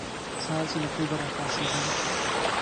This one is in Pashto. سهار چې له خوبه را پاڅېدم.